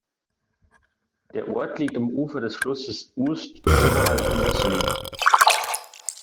Der Ort liegt am Ufer des Flusses Oust oberhalb von Josselin.